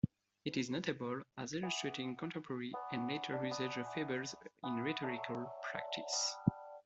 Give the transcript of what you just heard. It is notable as illustrating contemporary and later usage of fables in rhetorical practice.